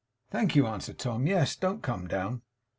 'Thank you,' answered Tom. 'Yes. Don't come down.